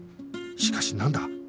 しかしなんだ？